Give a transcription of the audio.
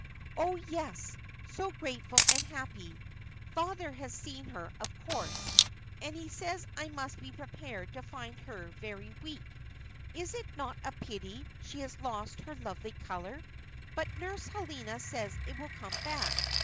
"Oh, yes; so grateful and happy! Father has seen her, of course; and he says I must be prepared to find her very weak. Is it not a pity she has lost her lovely colour? But Nurse Helena says it will come back.